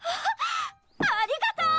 ありがとー！